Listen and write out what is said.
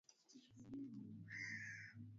Kumsingizia muuguzi kuwa hawaelewani na mumewe